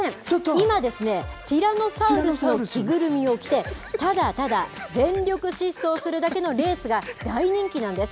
今ですね、ティラノサウルスの着ぐるみを着て、ただただ、全力疾走するだけのレースが、大人気なんです。